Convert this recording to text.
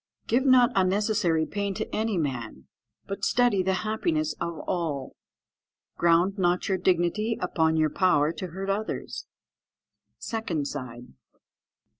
"Give not unnecessary pain to any man, but study the happiness of all. "Ground not your dignity upon your power to hurt others." _Second side.